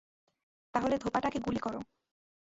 তাহলে ধোপাটাকে গুলি করো!